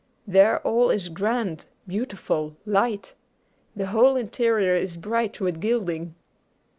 There all is grand, beautiful, light. The whole interior is bright with gilding.